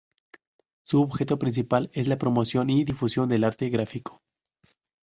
Su objeto principal es la promoción y difusión del arte gráfico.